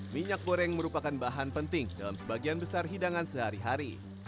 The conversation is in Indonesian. minyak goreng merupakan bahan penting dalam sebagian besar hidangan sehari hari